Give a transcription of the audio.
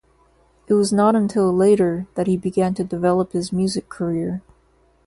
It was not until later that he began to develop his music career.